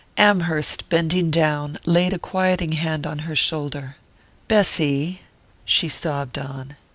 Amherst, bending down, laid a quieting hand on her shoulder. "Bessy " She sobbed on.